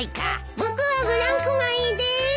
僕はブランコがいいです。